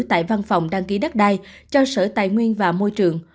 tại văn phòng đăng ký đất đai cho sở tài nguyên và môi trường